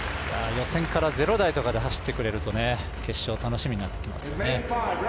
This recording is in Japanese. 予選から０台とかで走ってくれると決勝楽しみになってきますよね。